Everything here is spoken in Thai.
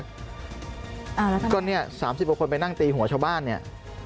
ก็เนี่ย๓๖คนไปนั่งตีหัวชาวบ้านเนี่ย